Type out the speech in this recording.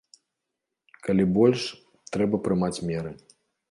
Калі больш, трэба прымаць меры.